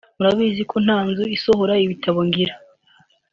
murabizi ko nta nzu isohora ibitabo ngira